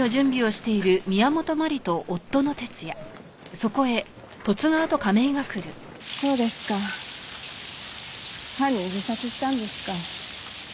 そうですか犯人自殺したんですか。